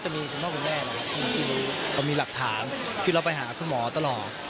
มันมีหลักฐานที่เราไปหาคุณหมอตลอด